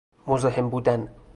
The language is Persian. مزاحم بودن